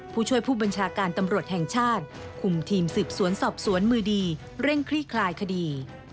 ผู้ช่วยผู้บัญชาการตำรวจแห่งชาติคุมทีมสืบสวนสอบสวนมือดีเร่งคลี่คลายคดี